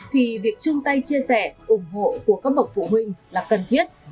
thì việc chung tay chia sẻ ủng hộ của các bậc phụ huynh là cần thiết